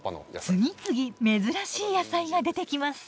次々珍しい野菜が出てきます。